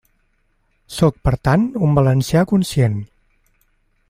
Sóc per tant un valencià conscient.